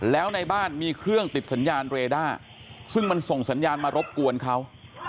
แล้วในบ้านมีเครื่องติดสัญญาณเรด้าซึ่งมันส่งสัญญาณมารบกวนเขา